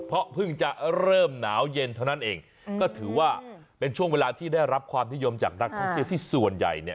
เพราะเพิ่งจะเริ่มหนาวเย็นเท่านั้นเองก็ถือว่าเป็นช่วงเวลาที่ได้รับความนิยมจากนักท่องเที่ยวที่ส่วนใหญ่เนี่ย